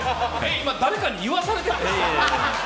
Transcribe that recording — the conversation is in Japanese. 今誰かに言わされてた？